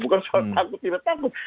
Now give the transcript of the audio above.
bukan soal takut tidak takut